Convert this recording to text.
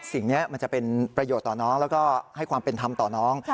สิ่งนี้มันจะเป็นประโยชน์ต่อน้องแล้วก็ให้ความเป็นธรรมต่อน้อง